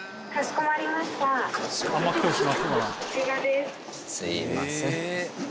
すいません。